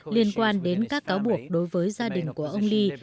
liên quan đến các cáo buộc đối với gia đình của ông lee